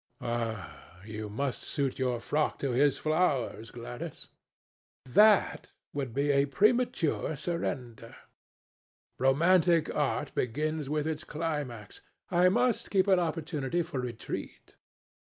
"Ah! you must suit your frock to his flowers, Gladys." "That would be a premature surrender." "Romantic art begins with its climax." "I must keep an opportunity for retreat."